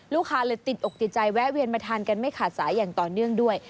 ลูกค้าเลยติดอกติดใจแวะเวียนมาทานกันไม่ขาดสายอย่างต่อเนื่องด้วย